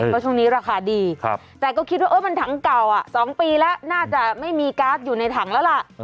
เพราะช่วงนี้ราคาดีแต่ก็คิดว่ามันถังเก่า๒ปีแล้วน่าจะไม่มีการ์ดอยู่ในถังแล้วล่ะ